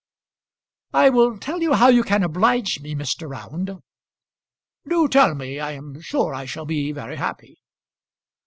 "I will tell you how you can oblige me, Mr. Round." "Do tell me; I am sure I shall be very happy."